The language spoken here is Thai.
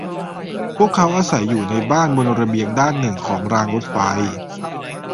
พวกเขาอาศัยอยู่ในบ้านบนระเบียงด้านหนึ่งของรางรถไฟ